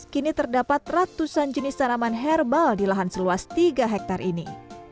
kini terdapat ratusan jenis tanaman herbal di lahan seluas tiga hektare ini